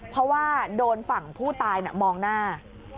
เพราะว่าโดนฝั่งผู้ตายมองหน้า